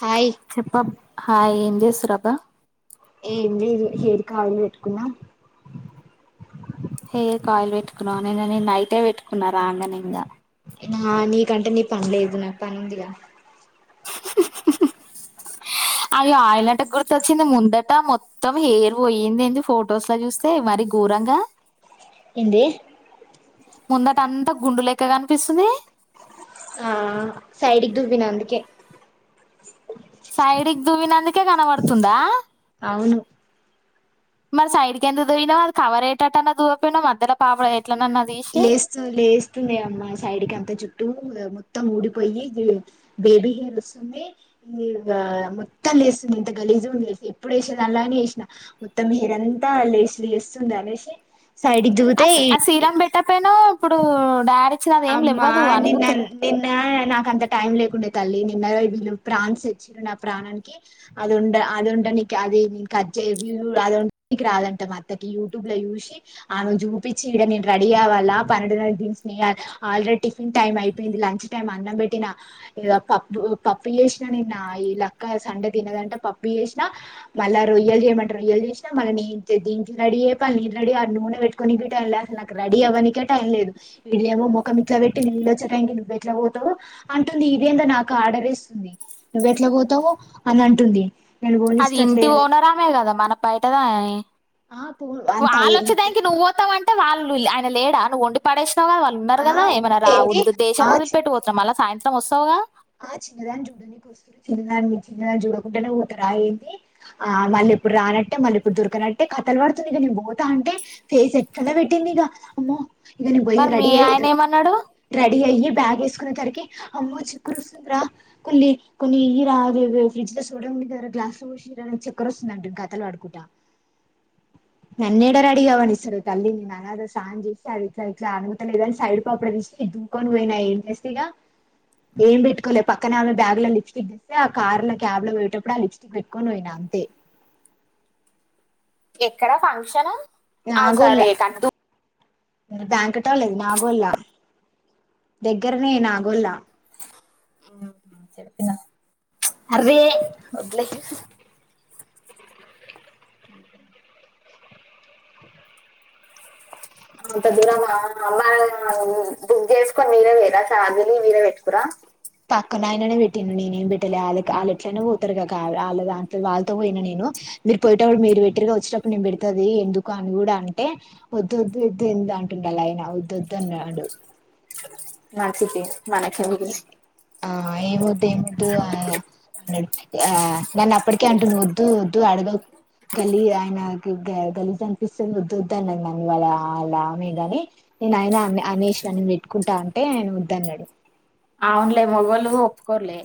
hi చెప్పబ్ hi ఏం చేసు రబ్బా ఏం లేదు హెర్ కాలు పెట్టుకున్నా హెయిర్కి కాయిల్ పెట్టుకున్నా నే నైటే పెట్టుకున్నారా అంగన ఇంగా నా నీకంటే నీ పనిలేదు నా పని ఉందిగా ఆ అవి ఆయిల్ అంటే గుర్తొచ్చింది ముందట మొత్తం హెయిర్ పోయింది ఏంది ఫొటోస్ లో చూస్తే మరి గూరంగా ఇంది ముందట అంత గుండు లెక్క కనిపిస్తుంది ఆ సైడికి దువ్వినా అందుకే సైడికి దూవినందుకే కనబడుతుందా అవును మరి సైడ్కి ఎంత దోయిన అది కవర్ ఏటాటా దూన మధె ప పాపడ వోయ్ లేస్తు లేస్తుంది అమ్మ సైడ్కి అంత జుట్టూ ఇగ మొ మొత్తం ఊడిపోయి బేబీ హీల్స్ ఈగ మొత్తం నేస్తు ఇంత గలి నిజం నేనైతే ఎప్పుడు వేసెదలానే వేసినా మొత్తం హెర అంతా లేచ లేస్తుంది అనేసి సైడ్కి జగుతే కిరాన్ పెట్టకపోయినా ఇప్పుడు డాడీ ఇచ్చినది ఏం అమ్మా లెవ్వదు నిన్న నన్ అణిగుతుంది నిన్న నిన్న నా అంత టై లేకుండే తల్లి నిన్న ప్రాన్స్ తెచ్చిరు నా ప్రాణా అదుండే అద్ ఉండనికి అదేమీ కట్ జె అది [unintelligible] వొండనికి రాదంట మా అత్తకి యూ ట్యూబ్ లా జూసి ఆమెకు జు పూపించి ఇడ నేను రెడీ అవాలా పన్నెడున్నర దన్స నేయాలి ఆల్రెడీ టిఫిన్ టైం అయిపోయింది లంచ్ టైమ్ అన్నం పెట్టిన ఇగ పప్పు పప్పు చేసినా నిన్న ఆ ఈ లక్క సండే తినదంటే పప్పు చేసినా మళ్ళా రొయ్యలు చేయమంట రొయ్యలు చేసిన మళ్ళ నే తిన్ దీనికి రెడీయ పని రెడీ ఆ నూనె పెట్టుకొని టైం లేదు అసలు నాకు రెడీ అవ్వనికే టైం లేదు ఇదేమో మొఖం ఇట్ల పెట్టి నేనొచ్చే టైం కి నువ్వెట్ల పోతవు అంటుంది ఇదేంద నాకు ఆడర్ ఏస్తుంది నువ్వెట్లా పోతావు అని అంటుంది నేను అది ఇంటి పోనిస్తట్లేదు ఓనరామే కదా మన పైటదాయే ఆ పో అంత వాళ్ళ వచ్చేదానికి నువ్వు పోతావంటే వాళ్ళు ఆయన లేడా నువ్వు వండి పడేస్ వస్తావు కా వాళ్ళు ఉన్నారు ఆ కదా ఏమై ఉంటే రా ఏంది ఉద్దు దేశం ఆ మొదలి చి పెట్టి పోతున్నా మళ్ళా సాయంత్రం వస్తావుగా ఆ చిన్నదాన్ని చూడనినకి వస్తారు చిన్నదాన్ని చిన్నదాన్ని చూడకుండనే ఒతరా యంది ఆ మళ్ళీ ఇప్పుడు రానట్టే మళ్ళీ ఇప్పుడు దొరకనట్టే కథలు పడుతుంది ఇక నేను పోతా అంటే ఫేస్ ఎక్కలా పెట్టింది ఇక అమ్మో ఇకని పోయి మరి మీ రెడీ అయి ఆయన ఏమన్నాడు రెడీ అయ్యి బ్యాగ్ వేసుకునే తరికి అమ్మోచూ చక్కర్స్తుందిరా కొన్ని కొన్ని ఇయిరా అవెవో ఫ్రిడ్జ్ ల సోడ ఉంది గ్లాస్ ల ఒషీ ఇయ్యి రా చక్కర్ ఒస్ నండు కథల్ వడుకుంటా నన్నెడ రేడి అవనిస్తరే తల్లి నేను అనాది సాయం చేసి అది ఇట్లా ఇట్లా అనుమతు లేదని సైడ్పడ దీసి దూ కొని ఓయినా ఏంజేసిగా ఏం పెట్టుకోలే పక్కనే ఆమె బ్యాగ్ లో లిప్స్టిక్ తీస్తే ఆ కార్ లో క్యాబ్ లో పోయేటప్పుడు ఆ లిప్స్టిక్ పెట్టుకని పోయిన అంతే ఎక్కడ ఫంక్షన్ ఆ సరే కట్టు ద్యాంకాటోలది నాగొల్ల దగ్గరనే నాగోల్లా ఊహు చేపినవ్ అరే వదిలేయ్ ఊహు అంతదురమ్మా అమ్మా బుక్ చేసుకొని మీరే వేరా చార్జీలు మీరే పెట్టుకురా పక్కన ఆయననే పెట్టిండు నేనేం పెట్టలే వా వాళ్ళ ఎట్లయినే పోతారు కగాక వాళ్ళ దాంట్ల వాళ్ళతో పోయిన నేను ఒ మీరు పోయటప్పుడు మీరు వెటగా వచ్చేటప్పుడు నేం పెడుత దియ్ ఎందుకు అని కూడా అంటే వద్దు వద్దు ఇద్దె ద్ అంటుండాలయన వద్దొదు అన్నాడు నత్రికి ఇ ఆ ఏముదు ఏముదు ఆ అన్నాడు ఆ నన్న అప్పటికే అంటుండు వద్దు వద్దు అడగకు గలీ ఆయనకి గ గలీ అనిపిస్తంది వాదోద్దు మ వాళ్ళ అలా మీదని నేను ఆయన ఆన్ అనేష్ నేన్ పెట్టుకుంటా అంటే ఆయన వద్దన్నడు అవునులే మొగోళ్ళు ఒప్పుకోర్లే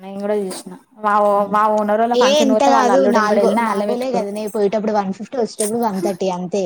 నేను కూడా చూసినా మా వో మా ఓనరోళ్ళ ఏ ఫంక్షన్ ఎంత పోతే వాళ్ళు కాదు అల్లుడెంబడి నాలుగో వెళ్ళిన అళ్లే నాలుగోలే పెట్టుకురు కదనే పోయేటప్పుడు వన్ ఫిఫ్టీ వచ్చేటప్పుడు వన్ థర్టీ అంతే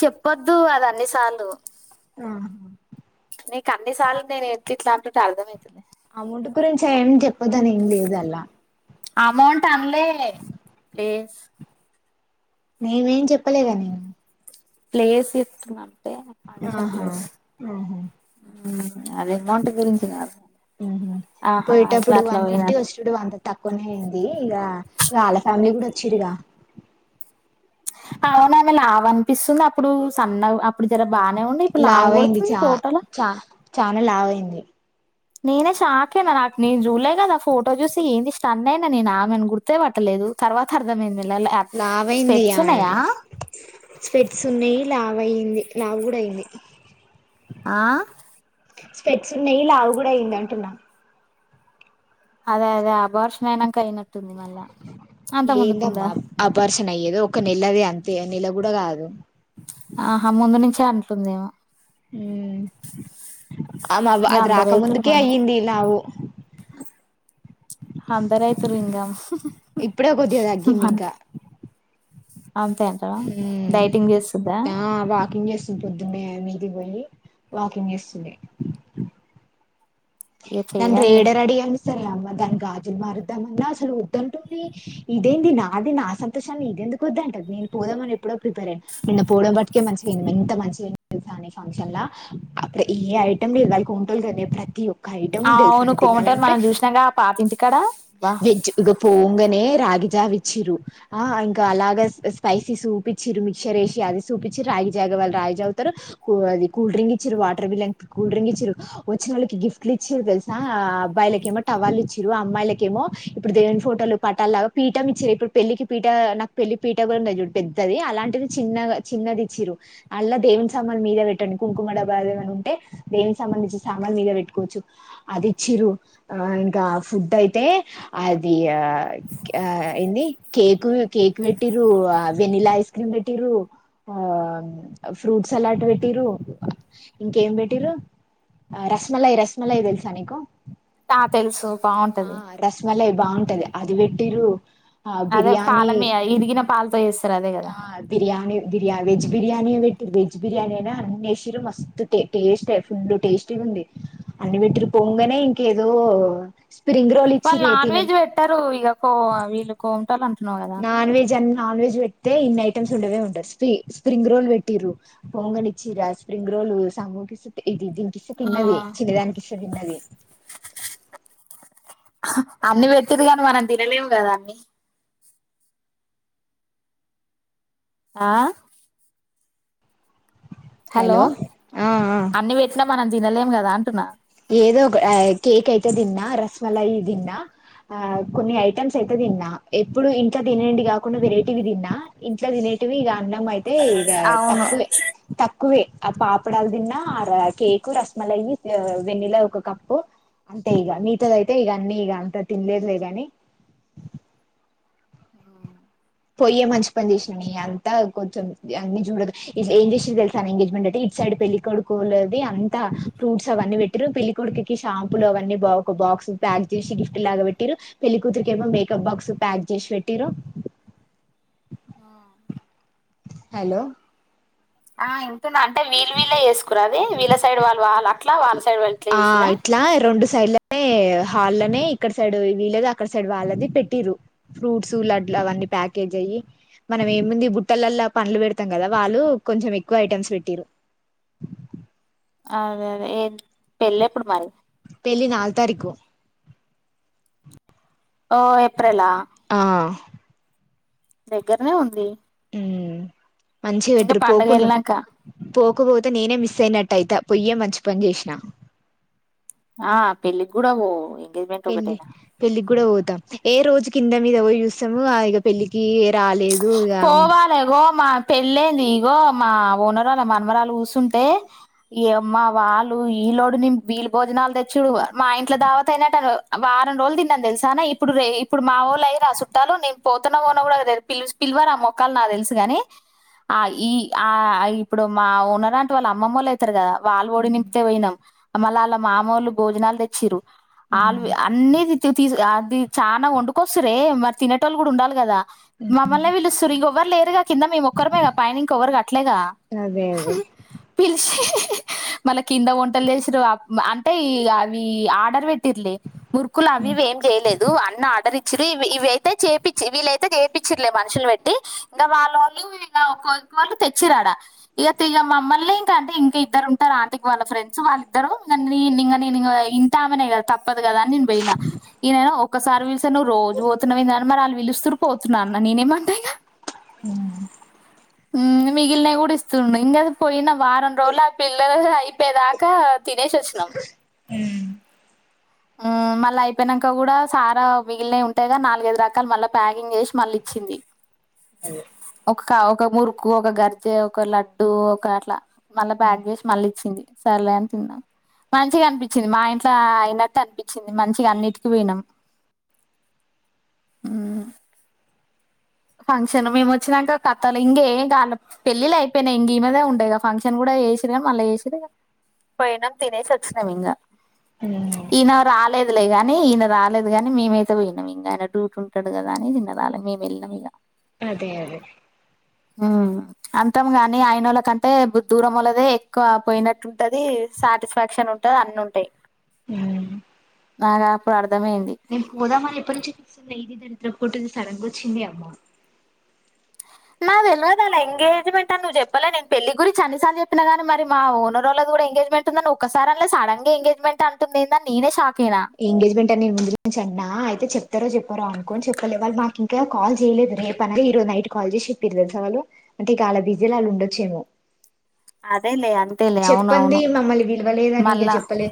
చెప్పొద్దు అది అన్ని సార్లు నీకు అన్ని సార్లు నేను ఎత్తి ఇట్లనుకుంటా అర్థమయితుంద అమౌంట్ గురించి ఏం చెప్పదానికి ఏం లేదు అల అమౌంట్ అనలే నేనేం చెప్పలేదు అనగా ప్లేస్ ఇస్తునాను ఆహా ఆహా అది అమౌంట్ గురించి కాదు ఉహ ఆహా అట్లా పోయేటప్పుడు అట్లా వన్ పోయినా ఫిఫ్టీ వచ్చేడు అంత తక్కువనే అయింది ఇక వాళ్ళ ఫ్యామిలీ కూడా చిరిగా అవునా ఆమె లవ అనిపిస్తుంది అప్పుడు సన్న అప్పుడు జర బాగానే ఉండి ఇప్పుడు లావు అయింది కొడుతుంది చా ఫోటోలో చా చనా లావు అయింది నేనే షాక్ అయిన నాకు నేను చూలే కదా ఫోటో చూసి స్టన్నయినా నేను ఆమెను గుర్తే పట్టలేదు తర్వాత అర్థమైంది ఇలా లావైంది స్పెట్స్ ఉన్నాయా అమె స్పాట్స్ ఉన్నాయి లావ అయింది లావు కూడా అయింది ఆ స్పాట్స్ ఉన్నాయి లావు కూడా అయింది అంటున్నా అదే అదే ఆబర్షనయినాకా ఐ నట్టు ఎందమ్మ అబార్షన్ అయ్యేది ఒక నెలైంది అంతే నెల కూడా కాదు ఆహా ముందు నుంచే అంటుందేమో హ మా ఇగ అది అందరు అయితురు రాకముందుకే మనం అయ్యింది లావు అందరూ అయితరు ఇకా ఇప్పుడే కొద్దిగా తగ్గింది మన ఇంకా అంతే అంటావా డైటింగ్ చేస్తుందా ఆ వాకింగ్ చేస్తంది పొద్దునే మీ దికి పోయి వాకింగ్ చేస్తుంది ఇగ దాన్ని చెయ్యాలిలే ఏడ రెడీ కానిస్తారే అమ్మ దాని [unintelligible] మారుద్దామన్నా అసలు వద్దంటుంది ఇదేంది నాది నా సంతోషాన్ని ఇది ఎందుకు వద్ద అంటది నేను పోని ఎపూడో ప్రిపేర్ అయి నినా పోవడంట్టికే మంచిగాయింది ఎంత మంచిగయిందో తెల్సా ఫంక్షన్ ల ఈ ఐటమ్ [unintelligible] ఒక ఐటము అవును తెలుసానే కోమటోలు తినాలంటే మనం చూసినాగా ఆ పాత ఇంటికాడ అబ్బా వెజ్ ఇక పోగానే రాగి జావా ఇచ్చిన్రు ఇంకా అలాగా స్పైసీ సూపిచ్చి మిక్సర్ వేసి అది సూపిచ్చి రాగి జా వాళ తరువాత అది కూల్ డ్రింక్ ఇచ్చారు వాటర్ మిలన్ కూల్డ్రింక్ ఇచ్చారు వచ్చిన వాళ్ళకి గిఫ్ట్ ట్లు ఇచ్చారు తెలుసా ఆ అబ్బాయిలకేమో టవర్లు ఇచ్చారు అమ్మాయిలకేమో ఇప్పుడు దేవుని ఫోటోలు పట్టాలలాగా పీఠం ఇచ్చారు ఇప్పుడు పెళ్లికి పీట నాకు పెళ్లి పీట గుర పెద్దది అలాంటిది చిన్నగా చిన్నది ఇచ్చారు అళ్లా దేవుని సామాలు మీద పెట్టండి కుంకుమడబ్బా ఏమన ఉంటే దేవునికి సంబందిచ్చి సామాన్ మీద పెట్టుకో చు అదిచిరు ఆ ఇంకా ఫుడ్ అయితే అది ఆ ఆ ఏంది కేక్ కేక్ పెట్టిరూ ఆ వెనిలా ఐస్ క్రీమ్ పెట్టిరూ ఆ ఫ్రూట్ సలాడ్ పెటిరు ఇంకేం పెట్టిరూ రస్మలై రస్మలై తెలుసా నీకు ఆ తెలుసు ఆ బాగుంటది రస్మలై బాగుంటది అది పెట్టిరు ఆ అదే పాల బిర్యానీ మీ ఇరిగిన పాలతో చేస్తారు అదే కదా ఆ బిర్యాణి బిర్యా వెజ్ బిర్యానీ ట్ వెజ్ బిర్యానీ అ అన్ని ఏసినరూ టేస్ట్ ఫుల్ టేస్ట్ ఉంది అ [unintelligible] పోంగనే ఇంక ఏదో వాళ్ళు నాన్ వెజ్ పెట్టారు ఇక కో వీళ్ళు కోమంటాలంట నాన్ వెజ్ అన నాన్ వెెజ్ పెడితే ఇన్ని ఐటమ్స్ ఉండవే ఉండవు స్ స్ప్రింగ్ రోల్ పెట్టి పొంగనే ఇచ్చిరా స్ప్రింగ్ రోల్ సామ్యు ఇది దీనికి ఇస్తే ఆ తిన్నది చినదానికి ఇస్తే తిన్నది అన్నిీ పెట్ది కాని మనం తినలేము కదా అన్నీ ఆ హలో ఆ ఆ అన్ని వెట్నా మనం తినలేం కదా అంటున్నా ఏదో ఒక కేక్ అయితే దిన్నా రసమలయి దిన్నా ఆ కొన్ని ఐటమ్స్ అయితే తిన్నా ఎప్పుడు ఇంట్లో తినండి కాకుండా వెరైటీవి తిన్నా ఇంట్లో తినం వి ఇ అన్నం అయితే ఇక అవును తక్కువే తక్కువే ఆ పాపడాల తిన్నా కేకు రసమలయి వెన్నెల ఒక కప్పు అంతే ఇగ మిగతదైతే ఇగ అన్నీ ఇగ అంత తినలేదులే గని ఆ పొయ్యే మంచిపని చేసిననే అంతా కొంచెం అన్నీ జూడదు ఇ ఏం చేసిరు తెలుసా ఎంగేజ్మెంట్ అంటే ఇటు సైడ్ ఇడు పెళ్లికొొడుకోల్లది అంతా ఫ్రూట్స్ అవన్నీ బెట్టిరు పెళ్లి కొడుకుకి షాంపులు అవన్నీ బా ఒక బాక్స్ ప్యాక్ జేసి గిఫ్టిల్లాగ బెట్టిరు పెళ్లికూతురికేమో మేకప్ బాక్స్ ప్యాక్ జేసి బెట్టిరు ఆ హలో ఆ ఇంటున్నా అంటే వీళ్లు వీళ్లే ఏసుకురా అది వీళ్ళ సైడ్ వాళ్ళు వాల్ అట్లా వాళ్ళ సై ఆ ఇట్లా రెండు సైడ్ లో ఏ హాల్లనే ఇక్కడ సైడ్ వి వీల్లదే అక్కడ సైడ్ వాళ్ళది పెట్టీరు ఫ్రూట్సూ లడ్ల్ అవన్ ని ప్యాకేజ్ ఎయ్యి మనం ఏముంది బుట్టలల్లా పండ్లు బెడతాం కదా వాళ్ళు కొంచెం ఎక్కువ ఐటమ్స్ పెట్టీరు ఆ అదే అదే ఏం పెళ్లెప్పుడు మరీ ఈల్ నాల్ తారీకు ఓ ఏప్రేలా ఆ దగ్గర్నే ఉంది ఉమ్ మంచిగ ఇంకా పెట్టిరు పండగ పోకున్నా వెళ్ళినాక పోకపోతే నేనే మిస్ అయినట్టయిత పొయ్యే మంచి పని చేసినా ఆ పెళ్లి కూడాపో ఇ పెళ్లి పెళ్లిగ్గుడా వోతాం ఏ రోజు కింద మీదపోయి చూస్తాము ఆ ఇగ పెళ్ళికి ఎ పోవాలే గోమార్ పెళ్లేందీగో మా ఓనరాళ్ళ మనమరాలు గూసుంటే ఏవమ్మా వాళ్ళు ఈ లోడునింపి ఈలు భోజనాల్ దె చ్చుడూ మా ఇంట్ల దావత్ అయినట్టరూ అవ్వా ఆరం రోలు దిన్నాను తెల్సానే ఇప్పుడురే ఇప్పుడు మావోళ్ళు అయిరా సుట్టాల్లు నేన్ పోతన్న ఓనో గుడా లేద్ పిలుస్ పిల్వారామొక్కాల్ నా తెలుసు గాని ఆ ఈ ఆ ఇప్పుడు మా ఓనరాంటి వాళ్ళ అమ్మమ్మోల్లయితరు గదా వాల్ ఒడి నింప్తే బొయినాం మళ్ళ ఆళ్ల మామోల్ళు భోజనాల్ తెచ్చిరు ఆల్వీ అన్నీ తి తీ తీసియా ది చాన్న వొండుకొస్తురే మరి తినేటోళ్ళు గుడ ఉండాలి గదా మమ్మల్నే విలుస్తురు ఇగొవ్వర్ లేరుగా కింద మేమొక్కరమేగ పైనింకొవ్వరు గట్లేగా అదే అదే హహా పిలిష్ హిహి ఇహ్ మళ్ళ కింద వంటల్ జేసిరు ఆప్ మ అంటే ఇగ అవ్వీ ఆర్డర్ పెట్ తిర్లే మురుకులవ్వి ఉమ్ వేం జేయలేదు అన్న ఆర్డర్ ఇచ్చిరి ఇవ్ ఇవి అయితే చేపిచ్ వీలైతే చే పిచ్చిట్లే మనుషులు బెట్టి ఇంక వాళోళ్లు వీళ్ళ కొరుకు వాళ్ళు తెచ్చిరాడా ఇగ తియ్యమ్మ మ్మ మళ్ళీ ఇంకా అంటే ఇంకా ఇద్దరు ఉంటారు ఆంటీకి వాళ్ళ ఫ్రెండ్స్ వాళ్ళిద్దరూ ఇగ నేనింగ నేనింగ ఇంటామనే గా తప్ప గదా అని నేను బొయ్యిన ఇయన నో ఒక్కసారి విలిస్తే నువ్ రోజు వోతున్నావేంది మరి ఆళ్ళు విలుస్తురు పోత్ నాన్న నేనేమంటన ఊ ఉమ్ మిగిలినయి గూడ ఇస్తుండే ఇంగదు పొయ్యిన వారం రోళ్ల ఆ పిల్లల హ హ అయిపోయేదాకా తినేషి వచ్చినాం ఆ మళ్ళ అయి పెనంక గుడా సారా మిగిల్నై ఉంటాయి గా నాల్గైద్ రకాల్ మళ్ళా ప్యాగింగ్ జేసి మళ్ల ఇచ్చింది అదే క్క ఒక మురుకు ఒక గర్జె ఒక లడ్డు ఒక అట్లా మళ్ళ ప్యాగ్ జేషి మళ్ళ ఇచ్చింది సర్లే అని తిన్నా మంచిగా అనిపిచ్చింది మా ఇంట్ల అ అయినట్టు అనిపిచ్చింది మంచిగా అన్నీటికి బొయినం ఉమ్ ఫంక్షను మేము ఒచ్చినంక కత్తలు ఇంగేం గాల పెళ్ళిళ్ళ అయిపోయినాయి ఇంగ ఈమధే ఉండే ఇంగా ఫంక్షన్ గుడా యేసిరిగం మళ్ళ ఏసిరిగా పొయ్యినం తినేసి వచ్చినాం ఇంగా అదే ఇయన రాలేద్ లే గాని ఇయన రాలేదు గాని మేమైతే బొయ్యినం ఇంగ అయన డ్యూటీ ఉంటడు గదా అని ఐన రాలే మేము ఎల్లినం ఇంగ అదే అదే అంతం గాని ఆయన వాళ్ళ కంటే దూరం వాళ్ళదే ఎక్కువ పోయినట్టుంటది సాటిస్ఫాక్షన్ ఉంటది అన్ని ఉంటాయి ఉమ్ నాగా అప్పుడు అర్ నేం పోదామ అని ఎప్పటి నుంచి ఫిక్స్ అయినా ఇది దరిద్ర పు గొట్టిది సడన్ గా వచ్చింది అమ్మో నా తెలివదు అలా ఎంగేజ్మెంట్ అని నువ్వు చెప్పలే నేను పెళ్లి గురించన్నిసార్లు చెప్పినా కాగానీ మరి మా ఓనర్ ఒళ్ళ దు ఇప్పుడే ఎంగేజ్మెంట్ ఉందని ఒకసారి అన్లే సడన్గా ఎంగేజ్మెంట్ అంటుందెందని నేనే షాక్ అయినా ఎంగేజ్మెంట్ అని ముందు నుంచి అన్నా అయితే చెప్తారో చెప్ రానుకోని చెప్పలే వాళ్లు మాకు ఇంకా కాల్ చేయలేదు రేపు అనంగా ఈరోజ నైట్ కాల్ చేప్పిరు తెల్సా వాళ్ళు అంటే ఇకా ల్ల బిజిల ఉండొచ్చేమో అదేలే అంతేలే అవును చెప్పంది అవును మమ్మల్ని పిలవలేదని ఇంగ మళ్ళా చెప్పలే